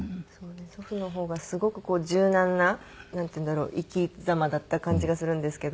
祖父の方がすごくこう柔軟ななんていうんだろう生き様だった感じがするんですけど。